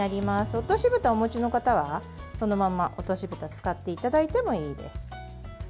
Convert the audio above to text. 落としぶたをお持ちの方はそのまま落としぶたを使っていただいてもいいです。